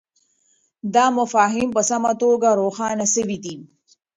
دا مفاهیم په سمه توګه روښانه سوي دي.